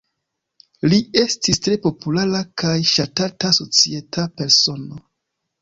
Li estis tre populara kaj ŝatata societa persono.